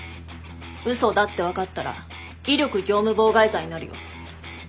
うそだって分かったら威力業務妨害罪になるよ。